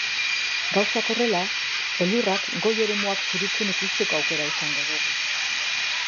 Gauzak horrela, elurrak goi eremuak zuritzen ikusteko aukera izango dugu.